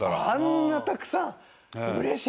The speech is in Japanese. あんなたくさん。